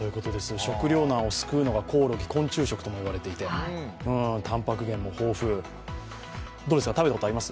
食糧難を救うのがコオロギ、昆虫食といわれていてタンパク源も豊富、食べたことあります？